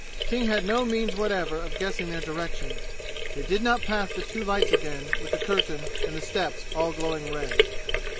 King had no means whatever of guessing their direction. They did not pass the two lights again with the curtain and the steps all glowing red.